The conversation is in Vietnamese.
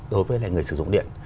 đối với người sử dụng điện